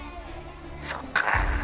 そっか。